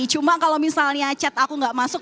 cuma kalau misalnya chat aku nggak masuk